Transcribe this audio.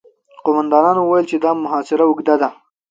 قوماندانانو وويل چې دا محاصره اوږده ده.